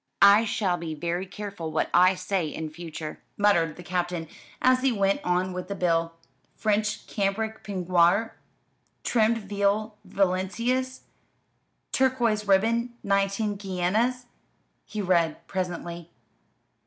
"I shall be very careful what I say in future," muttered the Captain, as he went on with the bill. "French cambric peignoir, trimmed real Valenciennes, turquoise ribbon, nineteen guineas," he read presently.